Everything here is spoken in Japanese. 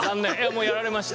もうやられました。